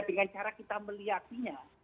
dengan cara kita melihatinya